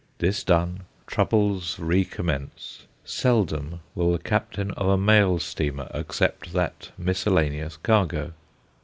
This done, troubles recommence. Seldom will the captain of a mail steamer accept that miscellaneous cargo.